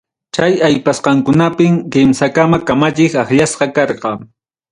Chay aypasqankunapim, kimsakama kamachik akllasqa karqa.